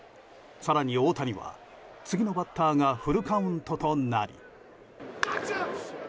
更に大谷は次のバッターがフルカウントとなり。